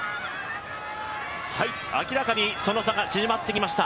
明らかにその差が縮まってきました。